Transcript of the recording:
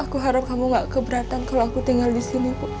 aku harap kamu gak keberatan kalau aku tinggal disini